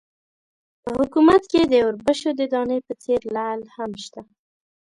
په حکومت کې د اوربشو د دانې په څېر لعل هم شته.